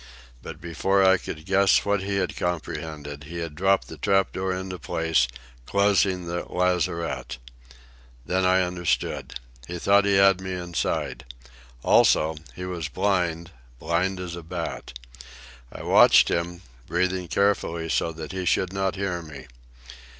But before I could guess what he had comprehended, he had dropped the trap door into place, closing the lazarette. Then I understood. He thought he had me inside. Also, he was blind, blind as a bat. I watched him, breathing carefully so that he should not hear me.